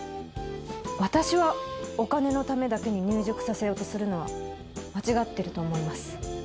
私はお金のためだけに入塾させようとするのは間違ってると思います。